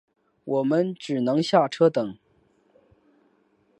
我们只能下车等